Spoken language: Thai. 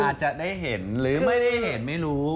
อาจจะได้เห็นหรือไม่ได้เห็นไม่รู้